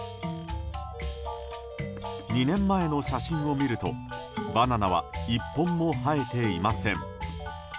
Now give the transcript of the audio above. ２年前の写真を見るとバナナは１本も生えていません。